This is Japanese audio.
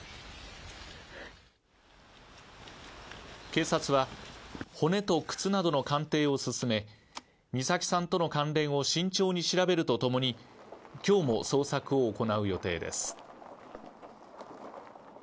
警察は骨と靴などとの鑑定を進め美咲さんとの関連を慎重に調べるとともに今日も捜索を行う予定です。